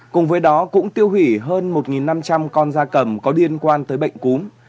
cùng với đó cũng tiêu hủy hơn một năm trăm linh con da cầm có liên quan tới bệnh cúm